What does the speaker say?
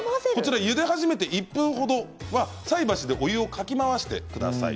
ゆで始めて１分程菜箸でお湯をかき回してください。